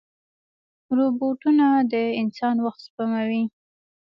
روبوټونه د انسان وخت سپموي.